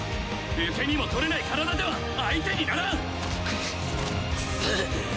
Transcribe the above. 受け身も取れない体では相手にならん！